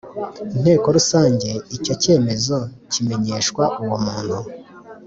Inteko Rusange Icyo cyemezo kimenyeshwa uwomuntu